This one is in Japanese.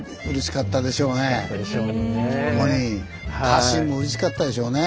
家臣もうれしかったでしょうね。